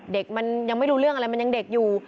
เด็กมันยังไม่รู้เรื่องอะไรมันยังเด็กอยู่